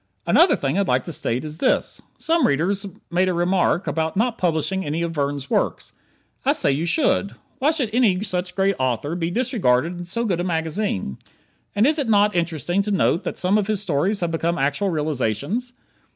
Another thing I'd like to state is this: Some reader made a remark about not publishing any of Verne's works. I say you should. Why should any such great author be disregarded in so good a magazine? And is it not interesting to note that some of his stories have become actual realizations?